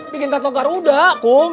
bikin tato garuda kum